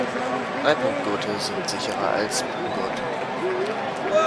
Dreipunktgurte sind sicherer als Beckengurte.